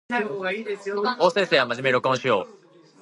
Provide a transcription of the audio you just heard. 法政生は真面目に録音しよう